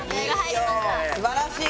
すばらしい！